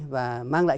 và mang lại